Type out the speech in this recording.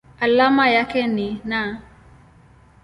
Alama yake ni Na.